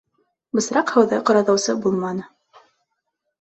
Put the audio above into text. Бысраҡ һыуҙы ҡоротоусы булманы.